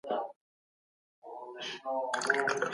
دا ليکنه باید په پښتو کي په مینه سره ولوستل سي.